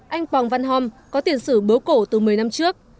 anh quang văn hòm có tiền sử bướu cổ từ một mươi năm trước